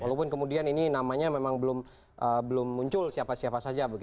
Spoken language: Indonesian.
walaupun kemudian ini namanya memang belum muncul siapa siapa saja